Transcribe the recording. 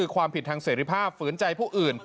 ความผิดทางเสรีภาพฝืนใจผู้อื่น